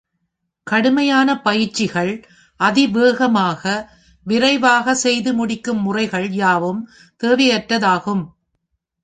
கடுமையான பயிற்சிகள், அதிவேகமாக, விரைவாக செய்துமுடிக்கும் முறைகள் யாவும் தேவையற்றதாகும்.